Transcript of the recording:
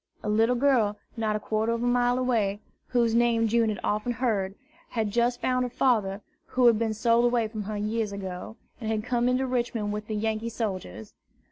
A little girl, not a quarter of a mile away, whose name June had often heard, had just found her father, who had been sold away from her years ago, and had come into Richmond with the Yankee soldiers.